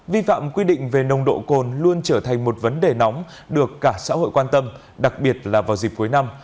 vi phạm quy định về nồng độ cồn luôn trở thành một vấn đề nóng được cả xã hội quan tâm đặc biệt là vào dịp cuối năm